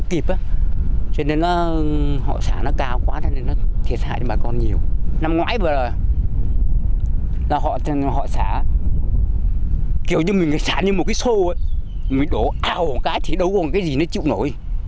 giá như một cái xô đổ ao một cái thì đâu có cái gì nó chịu nổi